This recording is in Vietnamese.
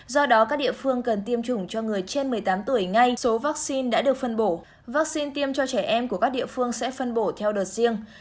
do đó các địa phương cần tiêm chủng cho người trên một mươi tám tuổi ngay số vaccine đã được phân bổ vaccine tiêm cho trẻ em của các địa phương sẽ phân bổ theo đợt riêng